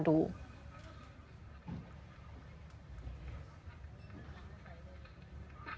ให้คุณผู้ชมรอดู